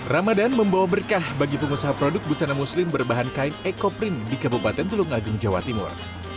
ramadan membawa berkah bagi pengusaha produk busana muslim berbahan kain ekoprint di kabupaten tulungagung jawa timur